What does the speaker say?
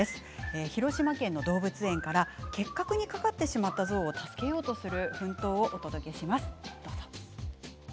広島県の動物園から結核にかかってしまった象を助けようとする奮闘をお届けします。